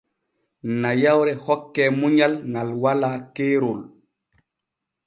Nayawre hokke munyal ŋal walaa keerol.